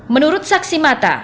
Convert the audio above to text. menurut saksi mata